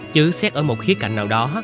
chứ xét ở một khía cạnh nào đó